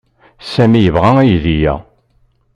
Sami yebɣa aydi-a.